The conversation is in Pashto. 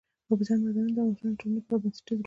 اوبزین معدنونه د افغانستان د ټولنې لپاره بنسټيز رول لري.